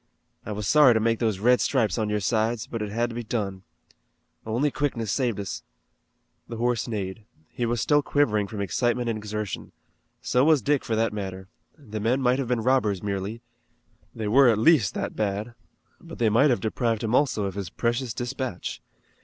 I was sorry to make those red stripes on your sides, but it had to be done. Only quickness saved us." The horse neighed. He was still quivering from excitement and exertion. So was Dick for that matter. The men might have been robbers merely they were at least that bad but they might have deprived him also of his precious dispatch.